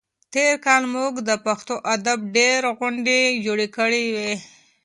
تېر کال موږ د پښتو ادب ډېرې غونډې جوړې کړې وې.